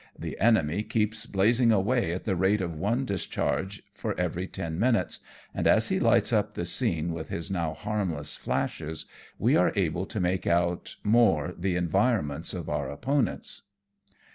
The enemy keeps blazing away at the rate of one discharge for every ten minutes, and as he lights up the scene with his now harmless flashes, we are able to make out more the environments of our opponents.